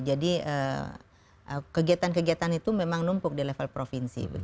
jadi kegiatan kegiatan itu memang numpuk di level provinsi